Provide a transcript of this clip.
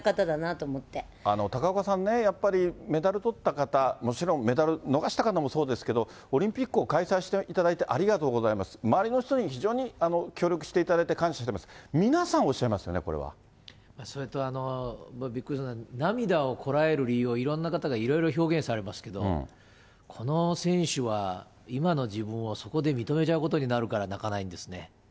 高岡さんね、やっぱり、メダルとった方、もちろんメダル逃した方もそうですけど、オリンピックを開催していただいてありがとうございます、周りの人に非常に協力していただいて感謝します、皆さん、おっしそれと、びっくりしたのは、涙をこらえる理由を、いろんな方がいろいろ表現されますけど、この選手は今の自分を、そこで認めちゃうことになるから、泣かないんですね。